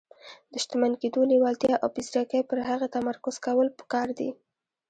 د شتمن کېدو لېوالتیا او په ځيرکۍ پر هغې تمرکز کول پکار دي.